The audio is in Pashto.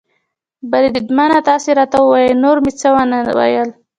بریدمنه، تاسې راته ووایاست، نور مې څه و نه ویل.